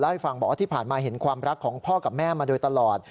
ให้ฟังบอกว่าที่ผ่านมาเห็นความรักของพ่อกับแม่มาโดยตลอด